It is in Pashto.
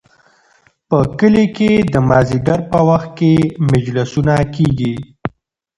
په کلي کې د مازدیګر په وخت کې مجلسونه کیږي.